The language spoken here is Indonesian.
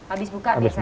abis buka biasanya